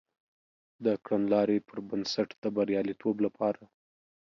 د کړنلاري پر بنسټ د بریالیتوب لپاره